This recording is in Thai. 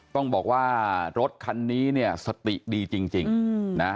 ต้องบอกว่ารถคันนี้เนี่ยสติดีจริงนะ